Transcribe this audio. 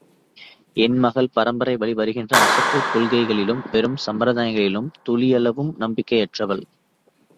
என் மகள் பரம்பரை வழி வருகிற அசட்டுக் கொள்கைகளிலும் வெறும் சம்பிரதாயங்களிலும் துளியளவும் நம்பிக்கையற்றவள்.